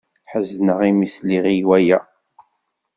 Ḥezneɣ imi ay sliɣ i waya.